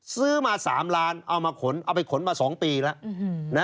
ซื้อมา๓ล้านเอามาขนเอาไปขนมา๒ปีแล้ว